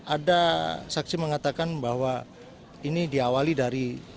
ada saksi mengatakan bahwa ini diawali dari